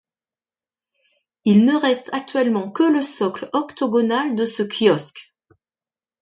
Il ne reste actuellement que le socle octogonal de ce kiosque.